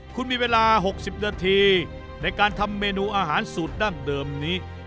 คุณมีเวลา๖๐นาทีในการทำเมนูอาหารสูตรดั้งเดิมนี้